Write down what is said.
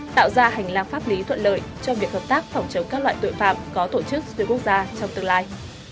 tạo ra hành lang pháp lý thuận lợi cho việc hợp tác phòng chống các loại tội phạm có tổ chức xuyên quốc gia trong tương lai